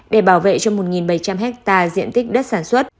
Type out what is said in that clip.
để bảo vệ cho một bảy trăm linh hectare diện tích đất sản xuất